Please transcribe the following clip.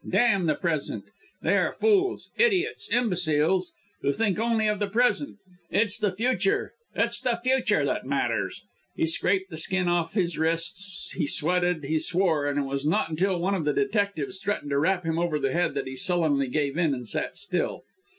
Damn the present! They are fools, idiots, imbeciles who think only of the present it's the future the future that matters!" He scraped the skin off his wrists, he sweated, he swore! And it was not until one of the detectives threatened to rap him over the head, that he sullenly gave in and sat still.